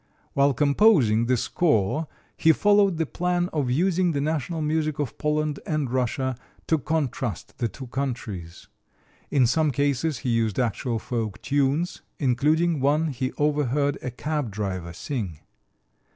While composing the score he followed the plan of using the national music of Poland and Russia to contrast the two countries. In some cases he used actual folk tunes, including one he overheard a cab driver sing.